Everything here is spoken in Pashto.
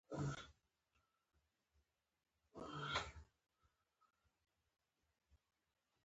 هیواد ته خدمت وکړي.